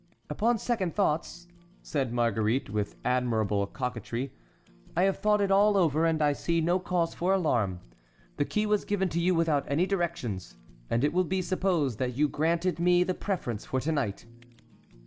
"Upon second thoughts," said Marguerite, with admirable coquetry, "I have thought it all over and I see no cause for alarm. The key was given to you without any directions, and it will be supposed that you granted me the preference for to night."